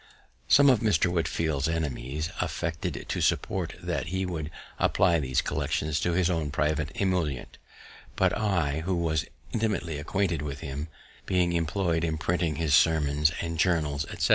_" Some of Mr. Whitefield's enemies affected to suppose that he would apply these collections to his own private emolument; but I, who was intimately acquainted with him (being employed in printing his Sermons and Journals, etc.)